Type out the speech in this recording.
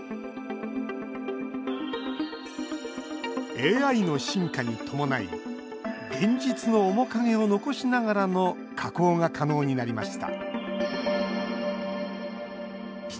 ＡＩの進化に伴い現実の面影を残しながらの加工が可能になりました。